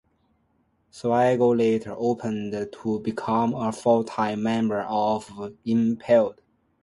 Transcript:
Sewage later opted to become a full-time member of Impaled.